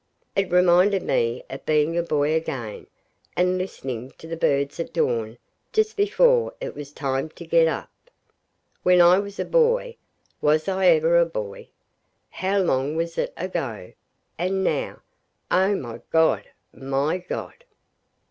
It reminded me of being a boy again, and listening to the birds at dawn just before it was time to get up. When I was a boy! was I ever a boy? How long was it ago and now O my God, my God!